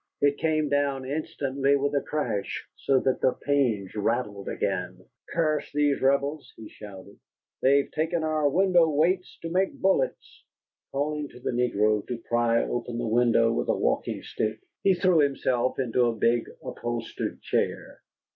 It came down instantly with a crash, so that the panes rattled again. "Curse these Rebels," he shouted, "they've taken our window weights to make bullets." Calling to the negro to pry open the window with a walking stick, he threw himself into a big, upholstered chair.